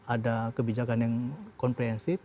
ada kebijakan yang komprehensif